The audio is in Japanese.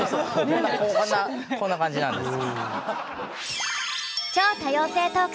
こんなこんな感じなんです。